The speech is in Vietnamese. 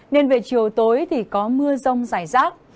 nên về chiều tối thì có mưa rông rải rác